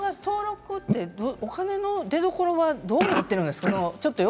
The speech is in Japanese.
お金の出どころはどうなっているんですか？